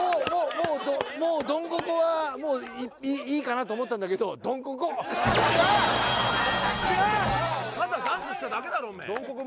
もうもうドンココはもういいかなと思ったんだけどドンココ・ただダンスしただけだろおめえ・ドンココ